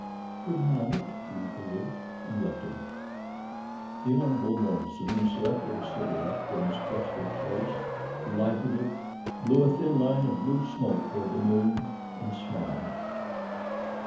"Good night!" she repeated, and left him. The Hon. Morison selected a cigarette from his crested case, lighted it, blew a thin line of blue smoke toward the moon, and smiled.